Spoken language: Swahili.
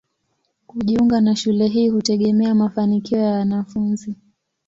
Kujiunga na shule hii hutegemea mafanikio ya mwanafunzi.